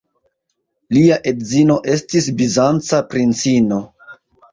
Lia edzino estis bizanca princino.